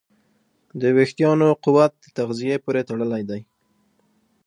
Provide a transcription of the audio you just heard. د وېښتیانو قوت د تغذیې پورې تړلی دی.